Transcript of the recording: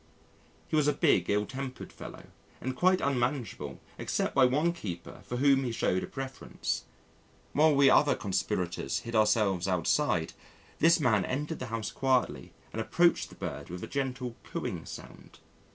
He was a big, ill tempered fellow, and quite unmanageable except by one keeper for whom he showed a preference. While we other conspirators hid ourselves outside, this man entered the house quietly and approached the bird with a gentle cooing sound.